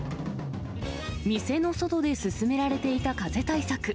店の外で進められていた風対策。